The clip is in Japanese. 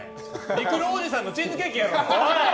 りくろーおじさんのチーズケーキやろ！